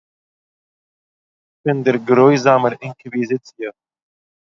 פון דער גרויזאַמער אינקוויזיציע